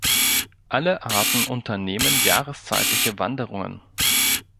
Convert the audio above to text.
Alle Arten unternehmen jahreszeitliche Wanderungen.